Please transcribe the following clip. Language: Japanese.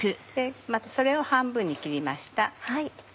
それを半分に切りました。